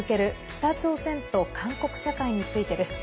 北朝鮮と韓国社会についてです。